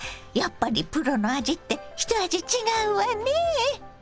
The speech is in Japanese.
やっぱりプロの味って一味違うわね。